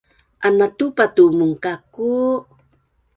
Anatupa tu munka’ku